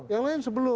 yang lain sebelum